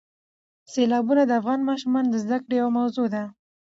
سیلابونه د افغان ماشومانو د زده کړې یوه موضوع ده.